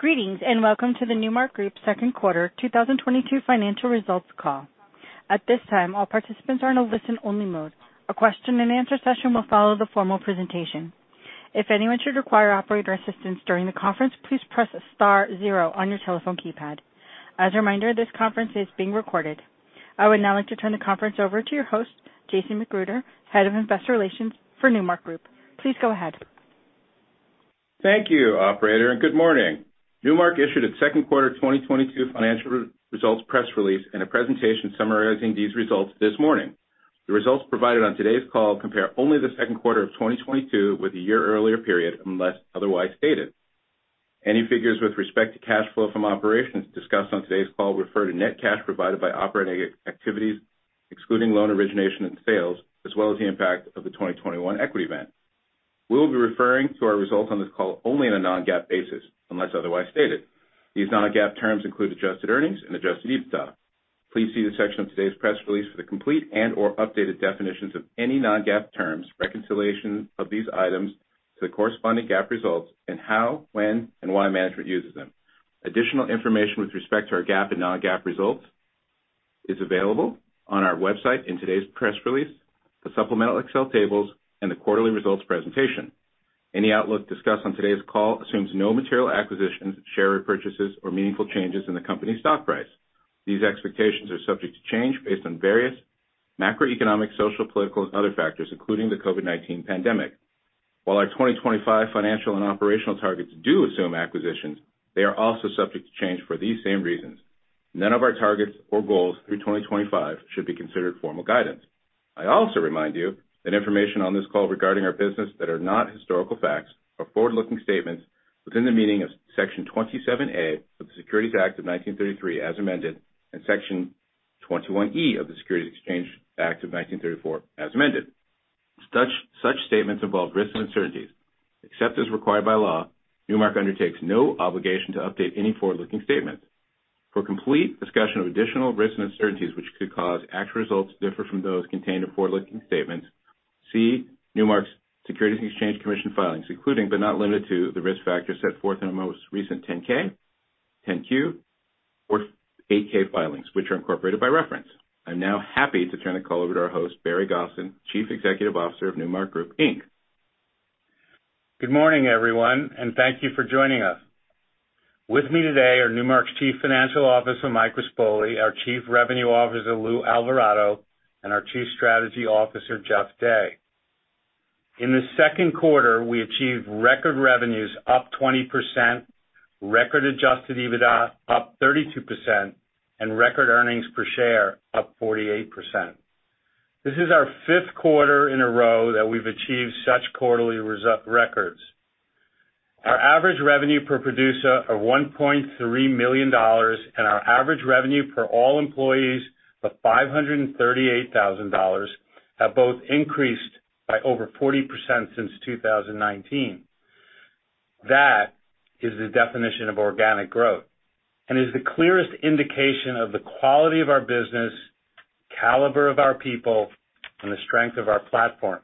Greetings, and welcome to the Newmark Group Second Quarter 2022 Financial Results Call. At this time, all participants are in a listen only mode. A question and answer session will follow the formal presentation. If anyone should require operator assistance during the conference, please press star zero on your telephone keypad. As a reminder, this conference is being recorded. I would now like to turn the conference over to your host, Jason McGruder, Head of Investor Relations for Newmark Group. Please go ahead. Thank you, operator, and good morning. Newmark issued its second quarter 2022 financial results press release and a presentation summarizing these results this morning. The results provided on today's call compare only the second quarter of 2022 with the year-earlier period, unless otherwise stated. Any figures with respect to cash flow from operations discussed on today's call refer to net cash provided by operating activities, excluding loan origination and sales, as well as the impact of the 2021 equity event. We will be referring to our results on this call only on a non-GAAP basis, unless otherwise stated. These non-GAAP terms include adjusted earnings and adjusted EBITDA. Please see the section of today's press release for the complete and/or updated definitions of any non-GAAP terms, reconciliation of these items to the corresponding GAAP results, and how, when, and why management uses them. Additional information with respect to our GAAP and non-GAAP results is available on our website in today's press release, the supplemental Excel tables, and the quarterly results presentation. Any outlook discussed on today's call assumes no material acquisitions, share repurchases, or meaningful changes in the company's stock price. These expectations are subject to change based on various macroeconomic, social, political, and other factors, including the COVID-19 pandemic. While our 2025 financial and operational targets do assume acquisitions, they are also subject to change for these same reasons. None of our targets or goals through 2025 should be considered formal guidance. I also remind you that information on this call regarding our business that are not historical facts are forward-looking statements within the meaning of Section 27A of the Securities Act of 1933 as amended, and Section 21E of the Securities Exchange Act of 1934 as amended. Such statements involve risks and uncertainties. Except as required by law, Newmark undertakes no obligation to update any forward-looking statements. For a complete discussion of additional risks and uncertainties which could cause actual results to differ from those contained in forward-looking statements, see Newmark's Securities and Exchange Commission filings, including but not limited to the risk factors set forth in our most recent 10-K, 10-Q, or 8-K filings, which are incorporated by reference. I'm now happy to turn the call over to our host, Barry Gosin, Chief Executive Officer of Newmark Group Inc. Good morning, everyone, and thank you for joining us. With me today are Newmark's Chief Financial Officer, Mike Rispoli, our Chief Revenue Officer, Lou Alvarado, and our Chief Strategy Officer, Jeff Day. In the second quarter, we achieved record revenues up 20%, record adjusted EBITDA up 32%, and record earnings per share up 48%. This is our fifth quarter in a row that we've achieved such quarterly records. Our average revenue per producer of $1.3 million, and our average revenue per all employees of $538,000 have both increased by over 40% since 2019. That is the definition of organic growth, and is the clearest indication of the quality of our business, caliber of our people, and the strength of our platform.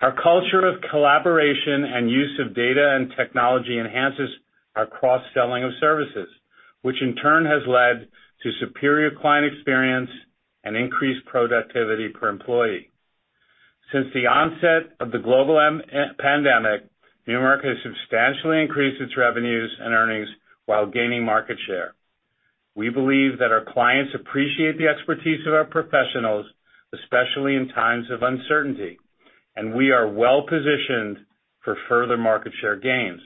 Our culture of collaboration and use of data and technology enhances our cross-selling of services, which in turn has led to superior client experience and increased productivity per employee. Since the onset of the global pandemic, Newmark has substantially increased its revenues and earnings while gaining market share. We believe that our clients appreciate the expertise of our professionals, especially in times of uncertainty, and we are well positioned for further market share gains.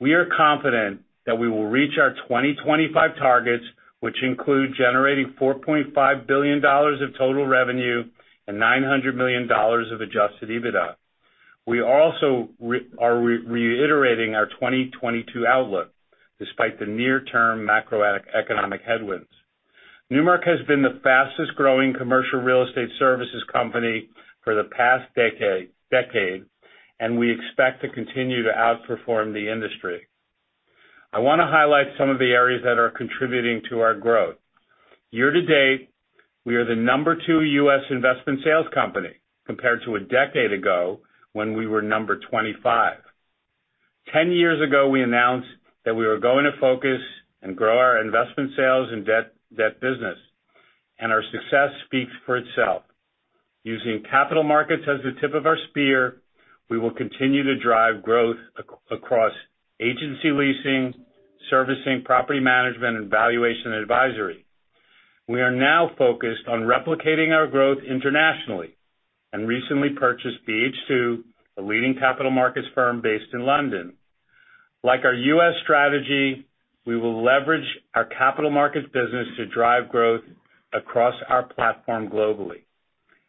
We are confident that we will reach our 2025 targets, which include generating $4.5 billion of total revenue and $900 million of adjusted EBITDA. We also are reiterating our 2022 outlook despite the near-term macroeconomic headwinds. Newmark has been the fastest-growing commercial real estate services company for the past decade, and we expect to continue to outperform the industry. I wanna highlight some of the areas that are contributing to our growth. Year to date, we are the number two U.S. investment sales company compared to a decade ago when we were number 25. 10 years ago, we announced that we were going to focus and grow our investment sales and debt business, and our success speaks for itself. Using capital markets as the tip of our spear, we will continue to drive growth across agency leasing, servicing, property management, and valuation advisory. We are now focused on replicating our growth internationally and recently purchased BH2, a leading capital markets firm based in London. Like our U.S. strategy, we will leverage our capital markets business to drive growth across our platform globally.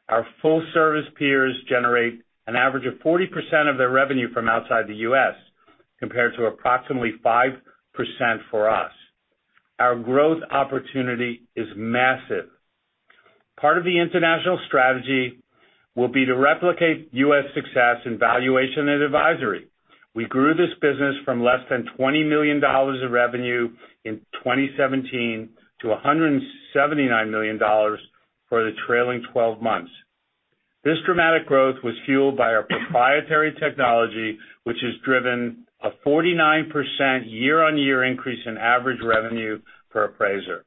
Our full service peers generate an average of 40% of their revenue from outside the U.S. compared to approximately 5% for us. Our growth opportunity is massive. Part of the international strategy will be to replicate U.S. success in valuation and advisory. We grew this business from less than $20 million of revenue in 2017 to $179 million for the trailing 12 months. This dramatic growth was fueled by our proprietary technology, which has driven a 49% year-on-year increase in average revenue per appraiser.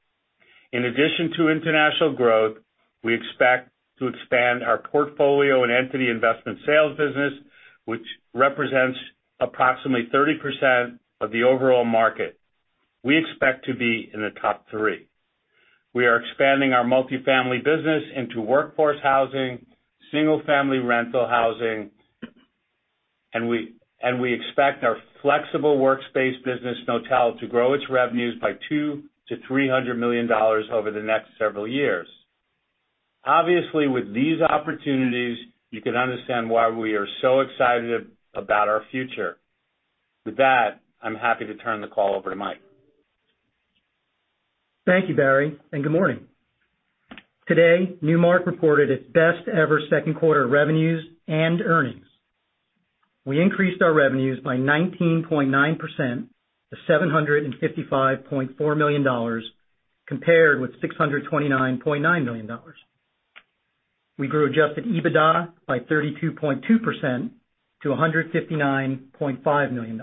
In addition to international growth, we expect to expand our portfolio and entity investment sales business, which represents approximately 30% of the overall market. We expect to be in the top three. We are expanding our multifamily business into workforce housing, single-family rental housing, and we expect our flexible workspace business Knotel, to grow its revenues by $200 million-$300 million over the next several years. Obviously, with these opportunities, you can understand why we are so excited about our future. With that, I'm happy to turn the call over to Mike. Thank you, Barry, and good morning. Today, Newmark reported its best ever second quarter revenues and earnings. We increased our revenues by 19.9% to $755.4 million compared with $629.9 million. We grew adjusted EBITDA by 32.2% to $159.5 million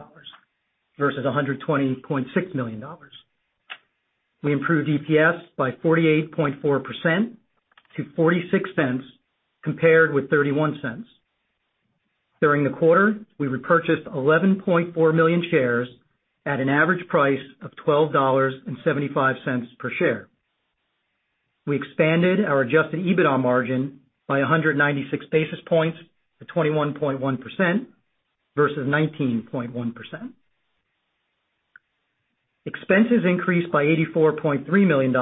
versus $120.6 million. We improved EPS by 48.4% to $0.46 compared with $0.31. During the quarter, we repurchased 11.4 million shares at an average price of $12.75 per share. We expanded our adjusted EBITDA margin by 196 basis points to 21.1% versus 19.1%. Expenses increased by $84.3 million,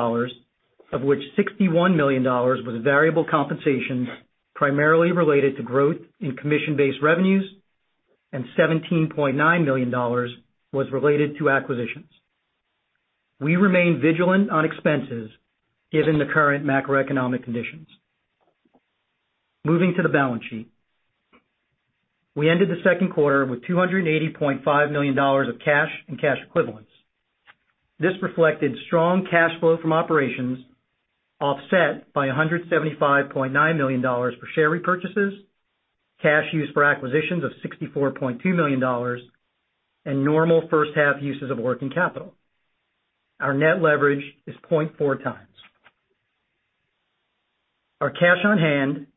of which $61 million was variable compensation primarily related to growth in commission-based revenues, and $17.9 million was related to acquisitions. We remain vigilant on expenses given the current macroeconomic conditions. Moving to the balance sheet. We ended the second quarter with $280.5 million of cash and cash equivalents. This reflected strong cash flow from operations, offset by $175.9 million for share repurchases, cash used for acquisitions of $64.2 million, and normal first half uses of working capital. Our net leverage is 0.4 times. Our cash on hand,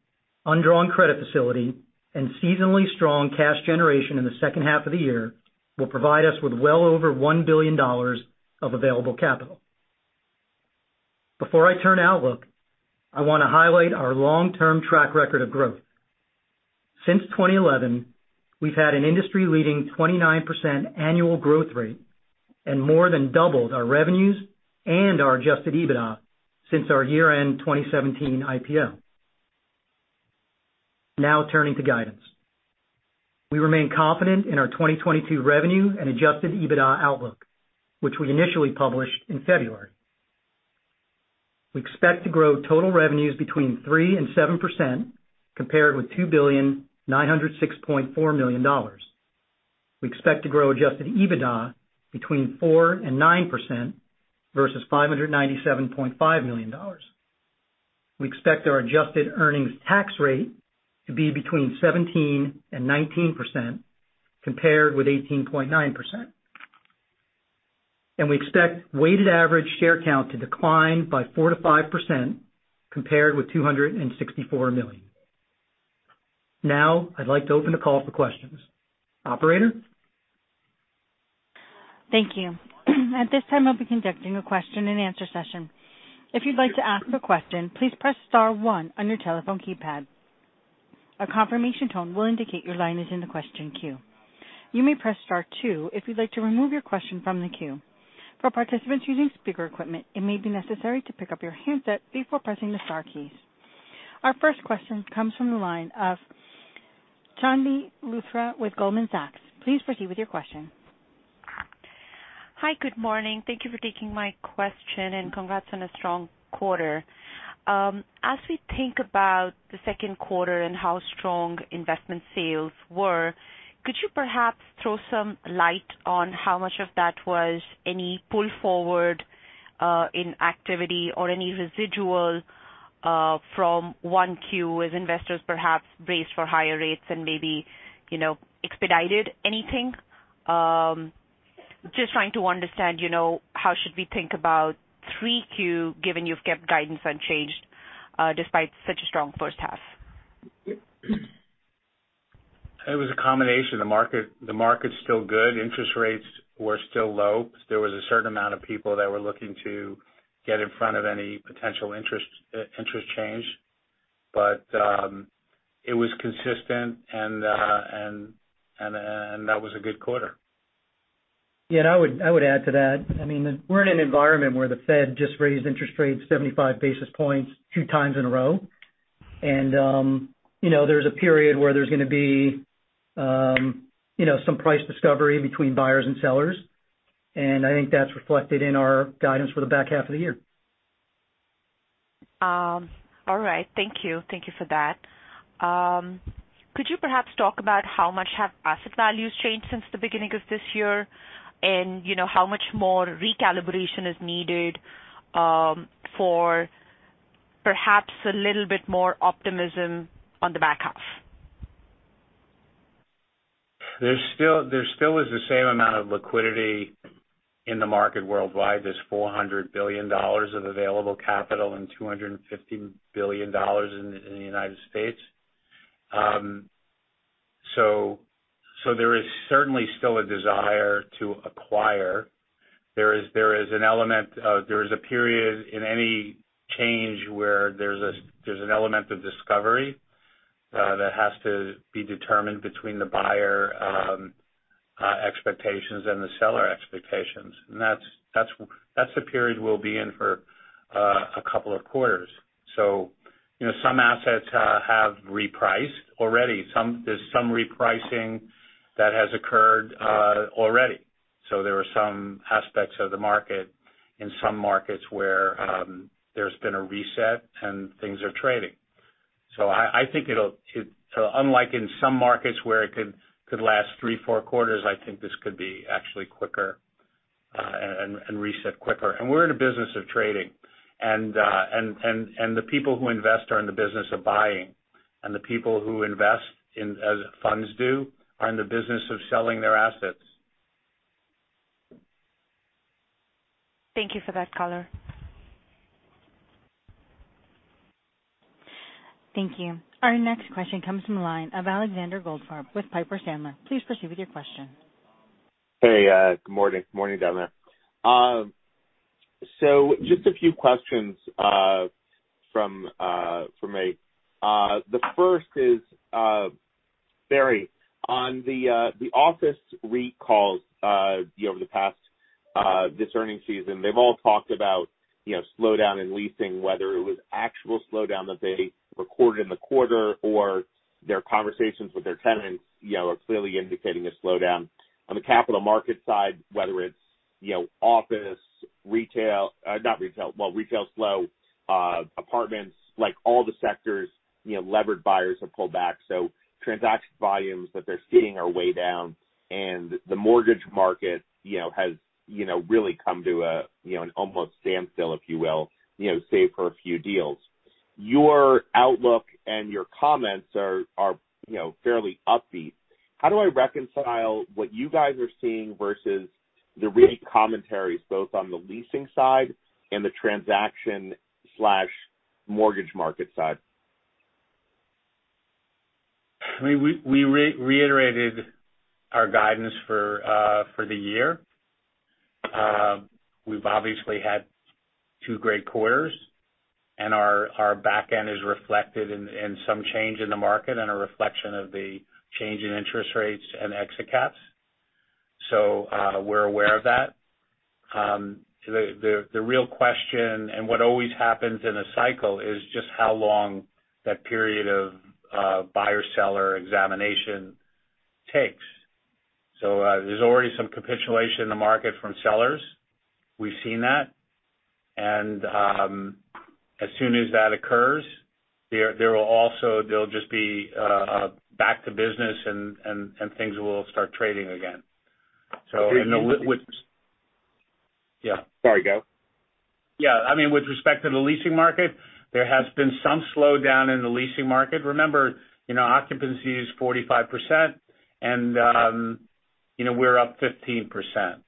undrawn credit facility, and seasonally strong cash generation in the second half of the year will provide us with well over $1 billion of available capital. Before I turn to outlook, I wanna highlight our long-term track record of growth. Since 2011, we've had an industry-leading 29% annual growth rate and more than doubled our revenues and our adjusted EBITDA since our year-end 2017 IPO. Now turning to guidance. We remain confident in our 2022 revenue and adjusted EBITDA outlook, which we initially published in February. We expect to grow total revenues between 3% and 7% compared with $2,906.4 million. We expect to grow adjusted EBITDA between 4% and 9% versus $597.5 million. We expect our adjusted earnings tax rate to be between 17% and 19% compared with 18.9%. We expect weighted average share count to decline by 4%-5% compared with 264 million. Now, I'd like to open the call for questions. Operator? Thank you. At this time, I'll be conducting a question-and-answer session. If you'd like to ask a question, please press star one on your telephone keypad. A confirmation tone will indicate your line is in the question queue. You may press star two if you'd like to remove your question from the queue. For participants using speaker equipment, it may be necessary to pick up your handset before pressing the star keys. Our first question comes from the line of Chandni Luthra with Goldman Sachs. Please proceed with your question. Hi, good morning. Thank you for taking my question and congrats on a strong quarter. As we think about the second quarter and how strong investment sales were, could you perhaps throw some light on how much of that was any pull forward in activity or any residual from 1Q as investors perhaps braced for higher rates and maybe, you know, expedited anything? Just trying to understand, you know, how should we think about 3Q, given you've kept guidance unchanged despite such a strong first half. It was a combination. The market's still good. Interest rates were still low. There was a certain amount of people that were looking to get in front of any potential interest change. It was consistent and that was a good quarter. I would add to that. I mean, we're in an environment where the Fed just raised interest rates 75 basis points two times in a row. You know, there's a period where there's gonna be, you know, some price discovery between buyers and sellers. I think that's reflected in our guidance for the back half of the year. All right. Thank you. Thank you for that. Could you perhaps talk about how much have asset values changed since the beginning of this year? You know, how much more recalibration is needed for perhaps a little bit more optimism on the back half? There's still the same amount of liquidity in the market worldwide. There's $400 billion of available capital and $250 billion in the United States. There is certainly still a desire to acquire. There is a period in any change where there's an element of discovery that has to be determined between the buyer expectations and the seller expectations. That's the period we'll be in for a couple of quarters. You know, some assets have repriced already. There's some repricing that has occurred already. There are some aspects of the market in some markets where there's been a reset and things are trading. I think unlike in some markets where it could last three, four quarters, I think this could be actually quicker and reset quicker. We're in a business of trading, and the people who invest are in the business of buying, and the people who invest as funds do are in the business of selling their assets. Thank you for that color. Thank you. Our next question comes from the line of Alexander Goldfarb with Piper Sandler. Please proceed with your question. Hey, good morning. Good morning, gentlemen. Just a few questions from me. The first is, Barry, on the office results, you know, over the past this earnings season, they've all talked about, you know, slowdown in leasing, whether it was actual slowdown that they recorded in the quarter or their conversations with their tenants, you know, are clearly indicating a slowdown. On the capital market side, whether it's, you know, office, retail, not retail. Well, retail's slow. Apartments, like all the sectors, you know, levered buyers have pulled back. Transaction volumes that they're seeing are way down. The mortgage market, you know, has really come to an almost standstill, if you will, you know, save for a few deals. Your outlook and your comments are, you know, fairly upbeat. How do I reconcile what you guys are seeing versus the REIT commentaries both on the leasing side and the transaction/mortgage market side? I mean, we reiterated our guidance for the year. We've obviously had two great quarters, and our back end is reflected in some change in the market and a reflection of the change in interest rates and exit caps. We're aware of that. The real question and what always happens in a cycle is just how long that period of buyer-seller examination takes. There's already some capitulation in the market from sellers. We've seen that. As soon as that occurs, they'll just be back to business and things will start trading again. Do you- Yeah. Sorry, go. Yeah, I mean, with respect to the leasing market, there has been some slowdown in the leasing market. Remember, you know, occupancy is 45% and, you know, we're up 15%.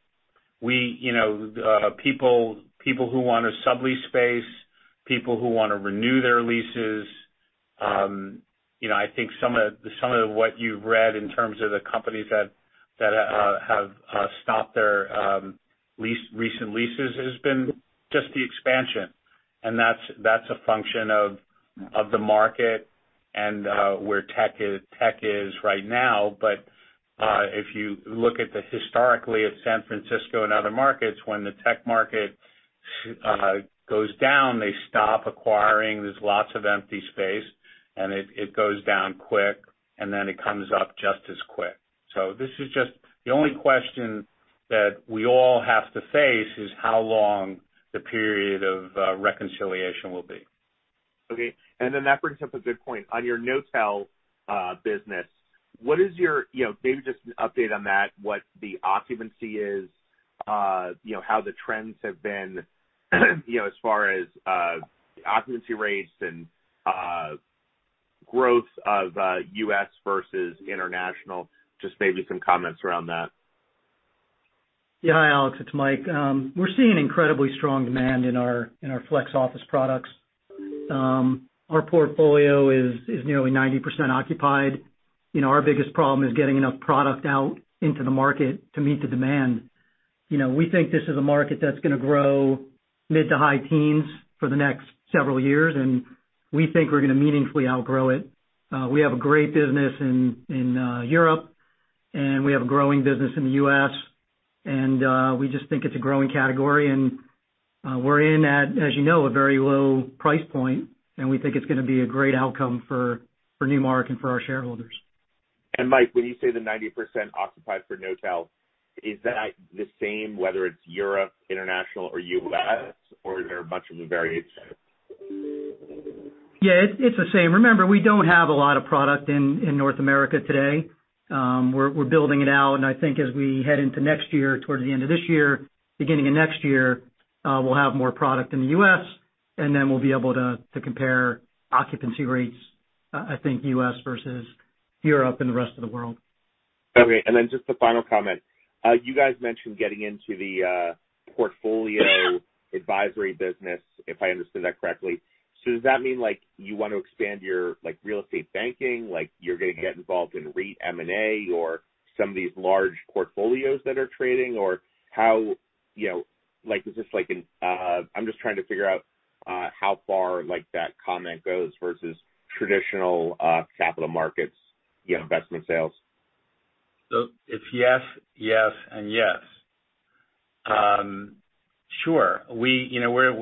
We, you know, people who want to sublease space, people who want to renew their leases, you know, I think some of what you've read in terms of the companies that have stopped their recent leases has been just the expansion. That's a function of the market and where tech is right now. If you look historically at San Francisco and other markets, when the tech market goes down, they stop acquiring. There's lots of empty space. It goes down quick, and then it comes up just as quick. This is just the only question that we all have to face is how long the period of reconciliation will be. Okay. That brings up a good point. On your hotel business, what is your, you know, maybe just an update on that, what the occupancy is, you know, how the trends have been, you know, as far as, occupancy rates and, growth of, U.S. versus international. Just maybe some comments around that. Yeah. Hi, Alex, it's Mike. We're seeing incredibly strong demand in our flex office products. Our portfolio is nearly 90% occupied. You know, our biggest problem is getting enough product out into the market to meet the demand. You know, we think this is a market that's gonna grow mid- to high teens for the next several years, and we think we're gonna meaningfully outgrow it. We have a great business in Europe, and we have a growing business in the U.S. We just think it's a growing category and, as you know, we're in at a very low price point, and we think it's gonna be a great outcome for Newmark and for our shareholders. Mike, when you say the 90% occupied for hoteling, is that the same whether it's Europe, international or U.S., or is there a bunch of variance there? Yeah, it's the same. Remember, we don't have a lot of product in North America today. We're building it out, and I think towards the end of this year, beginning of next year, we'll have more product in the U.S., and then we'll be able to compare occupancy rates, I think U.S. versus Europe and the rest of the world. Okay. Then just a final comment. You guys mentioned getting into the portfolio advisory business, if I understand that correctly. Does that mean, like, you want to expand your, like, real estate banking, like you're gonna get involved in REIT M&A or some of these large portfolios that are trading? Or, you know, like, I'm just trying to figure out how far, like, that comment goes versus traditional capital markets, you know, investment sales. It's yes, yes and yes. Sure. We're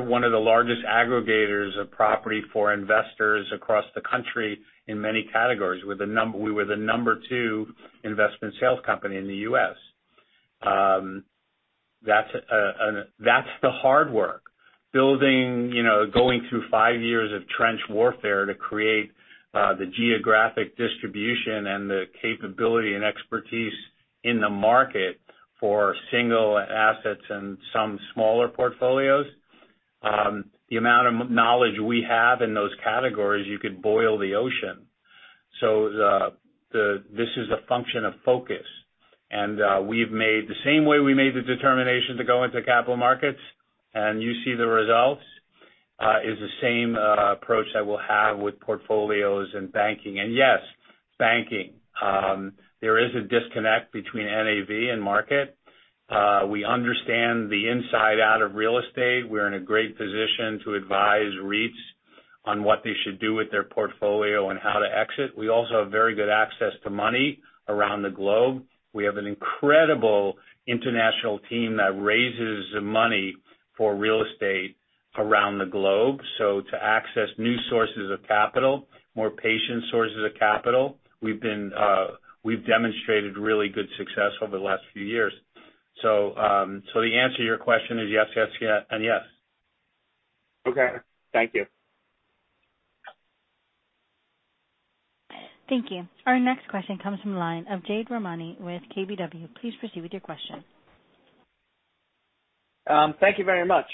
one of the largest aggregators of property for investors across the country in many categories. We're the number two investment sales company in the U.S. That's the hard work. Building, going through five years of trench warfare to create the geographic distribution and the capability and expertise in the market for single assets and some smaller portfolios. The amount of market knowledge we have in those categories, you could boil the ocean. This is a function of focus. The same way we made the determination to go into capital markets, and you see the results, is the same approach I will have with portfolios and banking. Yes, banking. There is a disconnect between NAV and market. We understand the inside out of real estate. We're in a great position to advise REITs on what they should do with their portfolio and how to exit. We also have very good access to money around the globe. We have an incredible international team that raises money for real estate around the globe. To access new sources of capital, more patient sources of capital, we've demonstrated really good success over the last few years. The answer to your question is yes, and yes. Okay. Thank you. Thank you. Our next question comes from the line of Jade Rahmani with KBW. Please proceed with your question. Thank you very much.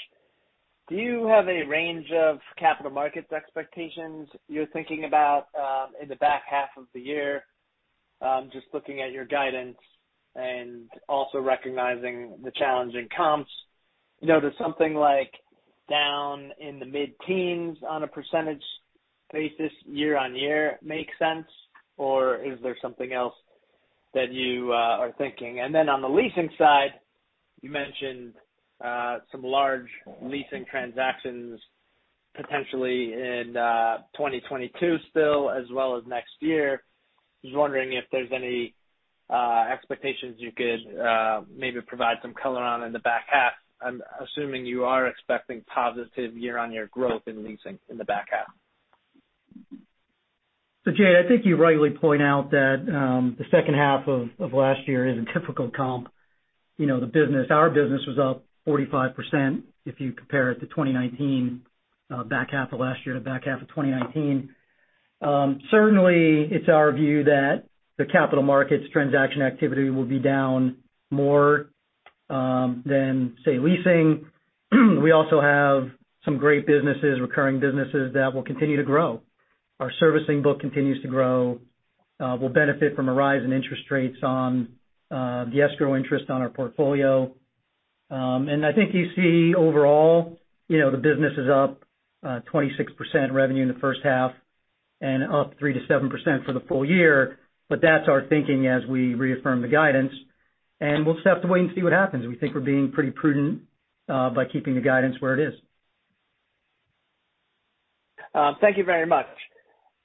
Do you have a range of capital markets expectations you're thinking about in the back half of the year? Just looking at your guidance and also recognizing the challenging comps. You know, does something like down in the mid-teens on a percentage basis year-on-year make sense, or is there something else that you are thinking? On the leasing side, you mentioned some large leasing transactions potentially in 2022 still as well as next year. Just wondering if there's any expectations you could maybe provide some color on in the back half. I'm assuming you are expecting positive year-on-year growth in leasing in the back half. Jade, I think you rightly point out that the second half of last year is a difficult comp. You know, the business, our business was up 45% if you compare it to 2019, back half of last year to back half of 2019. Certainly it's our view that the capital markets transaction activity will be down more than, say, leasing. We also have some great businesses, recurring businesses that will continue to grow. Our servicing book continues to grow. We'll benefit from a rise in interest rates on the escrow interest on our portfolio. I think you see overall, you know, the business is up 26% revenue in the first half and up 3%-7% for the full year. That's our thinking as we reaffirm the guidance, and we'll just have to wait and see what happens. We think we're being pretty prudent by keeping the guidance where it is. Thank you very much.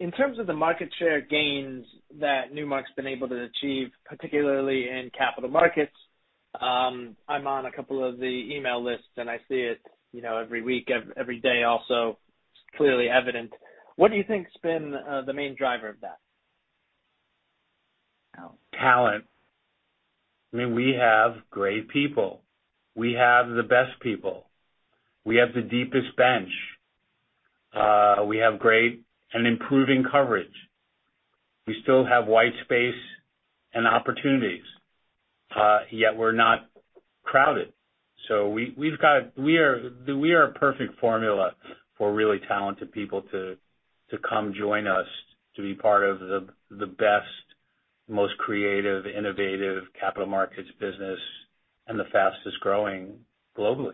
In terms of the market share gains that Newmark's been able to achieve, particularly in capital markets, I'm on a couple of the email lists, and I see it, you know, every week, every day also. It's clearly evident. What do you think's been the main driver of that? Talent. I mean, we have great people. We have the best people. We have the deepest bench. We have great and improving coverage. We still have white space and opportunities, yet we're not crowded. We are a perfect formula for really talented people to come join us to be part of the best, most creative, innovative capital markets business and the fastest growing globally.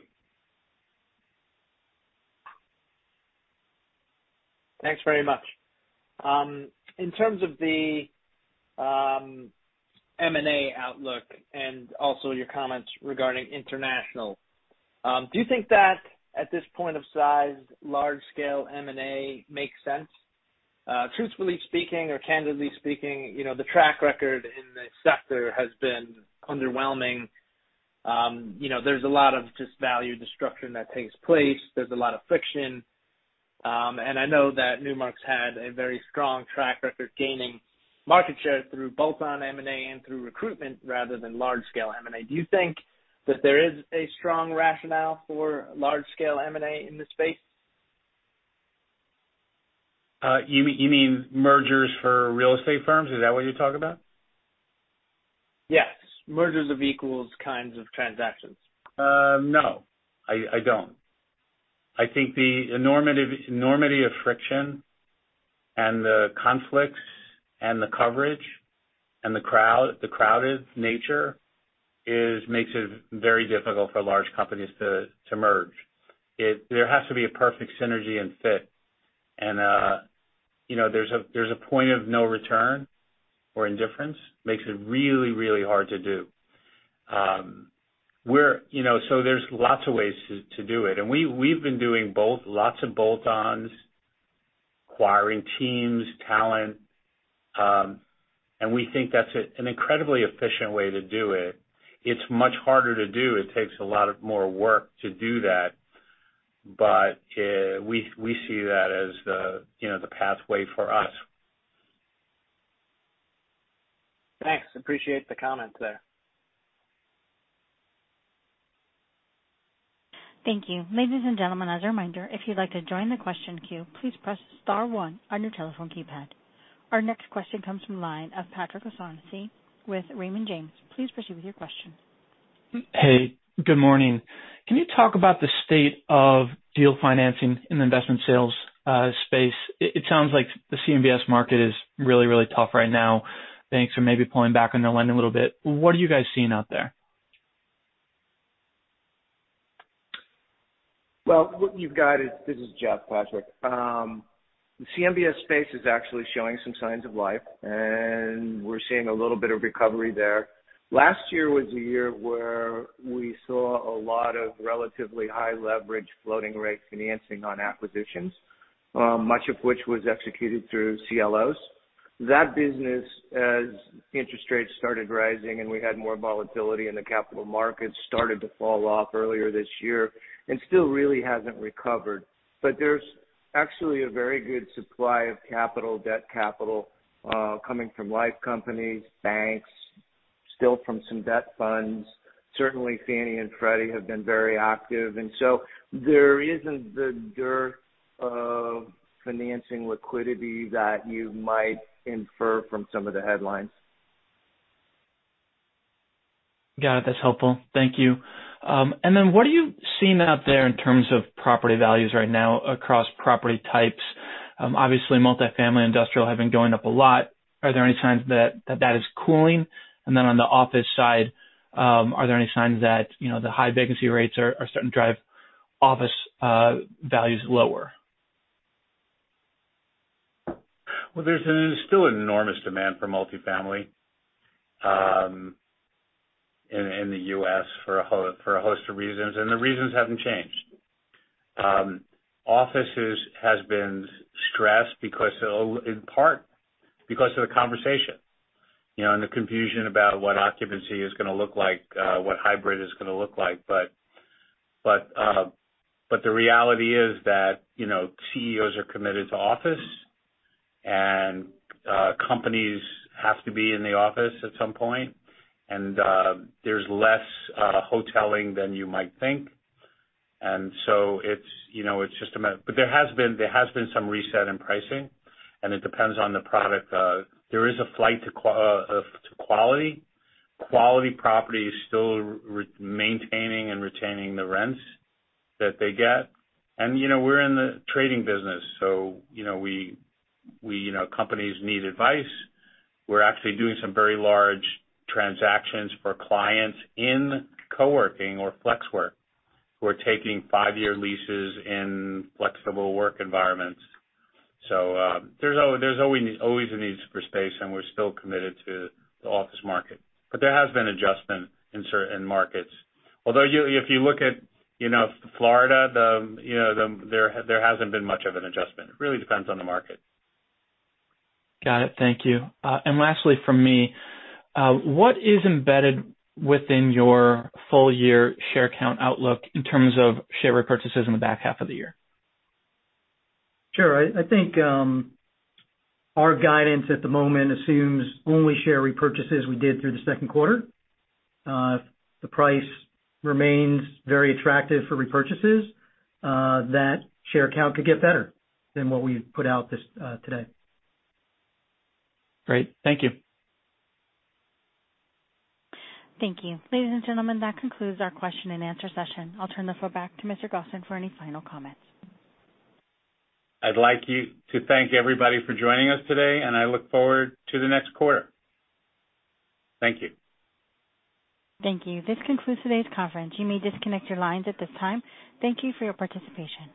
Thanks very much. In terms of the M&A outlook and also your comments regarding international, do you think that at this point of size, large scale M&A makes sense? Truthfully speaking or candidly speaking, you know, the track record in the sector has been underwhelming. You know, there's a lot of just value destruction that takes place. There's a lot of friction. I know that Newmark's had a very strong track record gaining market share through bolt-on M&A and through recruitment rather than large scale M&A. Do you think that there is a strong rationale for large scale M&A in this space? You mean mergers for real estate firms? Is that what you're talking about? Yes. Mergers of equals kinds of transactions. No, I don't. I think the enormity of friction and the conflicts and the coverage and the crowded nature makes it very difficult for large companies to merge. There has to be a perfect synergy and fit and, you know, there's a point of no return or indifference makes it really hard to do. You know, there are lots of ways to do it. We've been doing both lots of bolt-ons, acquiring teams, talent, and we think that's an incredibly efficient way to do it. It's much harder to do. It takes a lot more work to do that, but we see that as, you know, the pathway for us. Thanks. Appreciate the comments there. Thank you. Ladies and gentlemen, as a reminder, if you'd like to join the question queue, please press star one on your telephone keypad. Our next question comes from line of Patrick O'Shaughnessy with Raymond James. Please proceed with your question. Hey, good morning. Can you talk about the state of deal financing in the investment sales space? It sounds like the CMBS market is really tough right now. Banks are maybe pulling back on their lending a little bit. What are you guys seeing out there? This is Jeff, Patrick. The CMBS space is actually showing some signs of life, and we're seeing a little bit of recovery there. Last year was a year where we saw a lot of relatively high leverage floating rate financing on acquisitions, much of which was executed through CLOs. That business, as interest rates started rising and we had more volatility in the capital markets, started to fall off earlier this year and still really hasn't recovered. There's actually a very good supply of capital, debt capital, coming from life companies, banks, still from some debt funds. Certainly, Fannie and Freddie have been very active, and so there isn't the dearth of financing liquidity that you might infer from some of the headlines. Got it. That's helpful. Thank you. What are you seeing out there in terms of property values right now across property types? Obviously, multifamily industrial have been going up a lot. Are there any signs that that is cooling? On the office side, are there any signs that, you know, the high vacancy rates are starting to drive office values lower? Well, there's still an enormous demand for multifamily in the U.S. for a host of reasons, and the reasons haven't changed. Office has been stressed because of, in part because of the conversation, you know, and the confusion about what occupancy is gonna look like, what hybrid is gonna look like. The reality is that, you know, CEOs are committed to office and, companies have to be in the office at some point. There's less hoteling than you might think. It's just a matter. There has been some reset in pricing and it depends on the product. There is a flight to quality. Quality property is still maintaining and retaining the rents that they get. You know, we're in the trading business, so, you know, we you know, companies need advice. We're actually doing some very large transactions for clients in co-working or flex work who are taking five-year leases in flexible work environments. There's always a need for space and we're still committed to the office market. There has been adjustment in certain markets. Although if you look at, you know, Florida, you know, there hasn't been much of an adjustment. It really depends on the market. Got it. Thank you. Lastly from me, what is embedded within your full year share count outlook in terms of share repurchases in the back half of the year? Sure. I think our guidance at the moment assumes only share repurchases we did through the second quarter. The price remains very attractive for repurchases, that share count could get better than what we've put out this today. Great. Thank you. Thank you. Ladies and gentlemen, that concludes our question and answer session. I'll turn the floor back to Mr. Gosin for any final comments. I'd like to thank everybody for joining us today, and I look forward to the next quarter. Thank you. Thank you. This concludes today's conference. You may disconnect your lines at this time. Thank you for your participation.